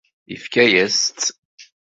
Yefka-yas-tt.